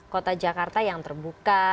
kota jakarta yang terbuka